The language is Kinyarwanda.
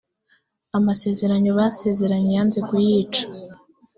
amasezerano basezeranye yanze kuyica.